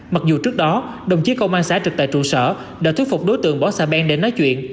mặc dù trước đó đồng chí công an xã trực tại trụ sở đã thuyết phục đối tượng bỏ xa ben để nói chuyện